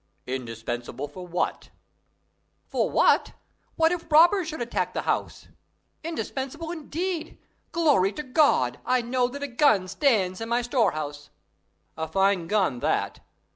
"Indispensable for what?" "For what? What if robbers should attack the house?... Indispensable indeed! Glory to God! I know that a gun stands in my storehouse." "A fine gun that!